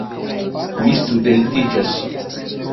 Mi studentiĝas!